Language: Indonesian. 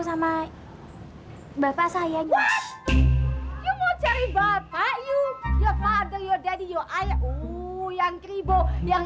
sama bapak saya yuk mau cari bapak yuk ya pader ya daddy ya ayah yang keribu yang